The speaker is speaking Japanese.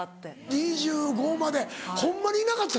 ２５歳までホンマにいなかったの？